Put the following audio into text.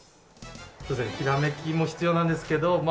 当然ひらめきも必要なんですけどま